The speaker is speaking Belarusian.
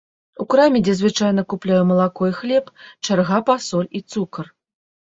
У краме, дзе звычайна купляю малако і хлеб, чарга па соль і цукар.